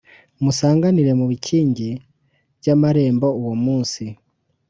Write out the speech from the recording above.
musanganire mubikingi byamarembo uwo umunsi